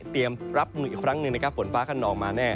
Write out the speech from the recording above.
เตรียมรับมืออีกครั้งหนึ่งนะครับฝนฟ้าคันออกมาแน่